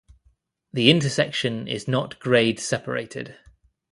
The intersection is not grade-separated.